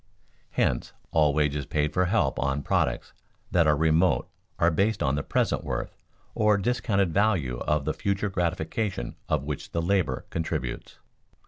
_Hence all wages paid for help on products that are remote are based on the present worth, or discounted value, of the future gratification to which the labor contributes.